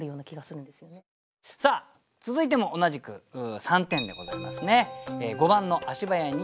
さあ続いても同じく３点でございますね。